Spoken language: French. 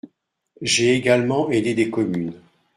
J’ai également aidé des communes.